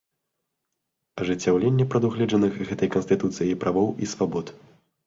Ажыццяўленне прадугледжаных гэтай Канстытуцыяй правоў і свабод.